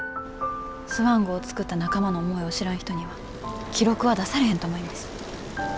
スワン号作った仲間の思いを知らん人には記録は出されへんと思います。